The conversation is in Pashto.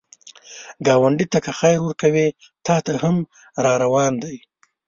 ګاونډي ته که خیر ورکوې، تا ته هم راروان دی